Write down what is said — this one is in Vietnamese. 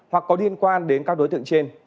hoặc có liên quan đến các đối tượng trên